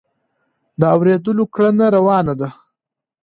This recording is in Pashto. د اورېدلو کړنه روانه ده.